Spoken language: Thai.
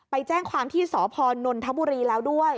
ไปแจ้งความที่สพนนทบุรีแล้วด้วย